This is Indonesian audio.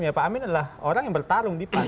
ya pak amin adalah orang yang bertarung di pan